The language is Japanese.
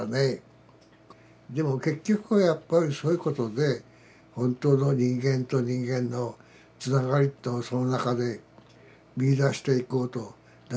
でも結局はやっぱりそういうことで本当の人間と人間のつながりというのをその中で見いだしていこうとなさったんだろうからね。